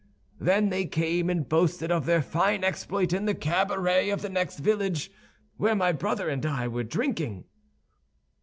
Then they came and boasted of their fine exploit in the cabaret of the next village, where my brother and I were drinking."